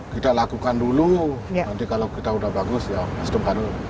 kita lakukan dulu nanti kalau kita udah bagus ya